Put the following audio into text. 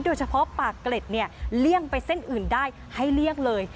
ปากเกร็ดเนี่ยเลี่ยงไปเส้นอื่นได้ให้เลี่ยงเลย